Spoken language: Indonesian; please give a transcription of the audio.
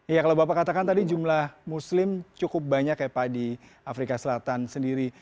ya kalau bapak katakan tadi jumlah muslim cukup banyak ya pak di afrika selatan sendiri